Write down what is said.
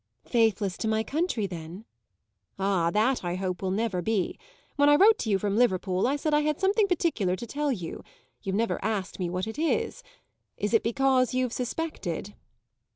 "Faithless to my country then?" "Ah, that I hope will never be. When I wrote to you from Liverpool I said I had something particular to tell you. You've never asked me what it is. Is it because you've suspected?"